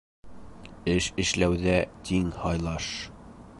Эш эшләүҙә тиң һайлаш.